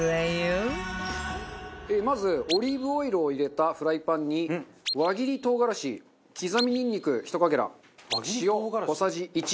まずオリーブオイルを入れたフライパンに輪切り唐辛子刻みニンニク１かけら塩小さじ１を入れます。